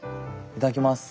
いただきます。